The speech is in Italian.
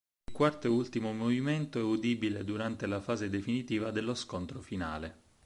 Il quarto e ultimo movimento è udibile durante la fase definitiva dello scontro finale.